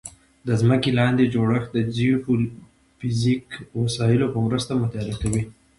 د ځمکې لاندې جوړښت د جیوفزیکي وسایلو په مرسته مطالعه کوي